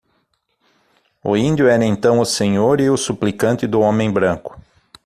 O índio era então o senhor e o suplicante do homem branco.